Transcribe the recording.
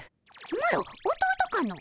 マロ弟かの？